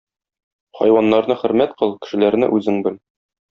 Хайваннарны хөрмәт кыл, кешеләрне үзең бел.